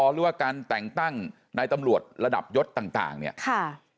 หรือว่าการแต่งตั้งนายตำรวจระดับยศต่างเนี่ยค่ะ